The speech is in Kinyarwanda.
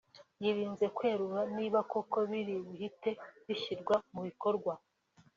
yirinze kwerura niba koko biri buhite bishyirwa mu bikorwa